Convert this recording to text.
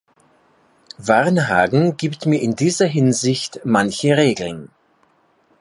Varnhagen giebt mir in dieser Hinsicht manche Regeln.